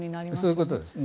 そういうことですね。